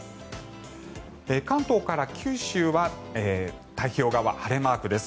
関東から九州は太平洋側、晴れマークです。